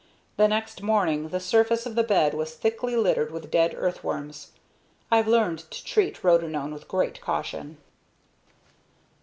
The next morning the surface of the bed was thickly littered with dead earthworms. I've learned to treat rotenone with great caution.